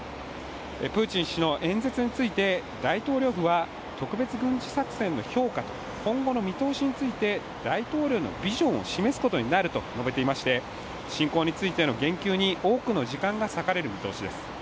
プーチン氏の演説について大統領府は、特別軍事作戦の評価と今後の見通しについて大統領のビジョンを示すことになると述べていまして侵攻についての言及に多くの時間が割かれる見通しです。